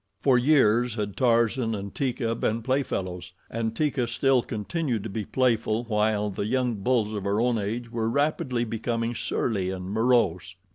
For years had Tarzan and Teeka been play fellows, and Teeka still continued to be playful while the young bulls of her own age were rapidly becoming surly and morose.